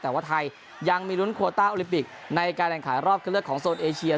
แต่ว่าไทยยังมีลุ้นโคต้าโอลิมปิกในการแข่งขันรอบขึ้นเลือกของโซนเอเชีย